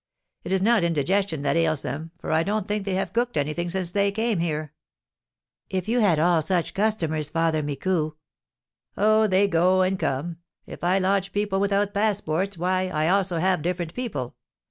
It is not indigestion that ails them, for I don't think they have cooked anything since they came here." "If you had all such customers, Father Micou " "Oh, they go and come. If I lodge people without passports, why, I also have different people.